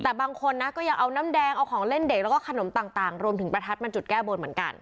แต่บางคนนะก็ยังเอาน้ำแดงเอาของเล่นเด็กแล้วก็ขนมต่างรวมถึงประทัดมาจุดแก้บนเหมือนกัน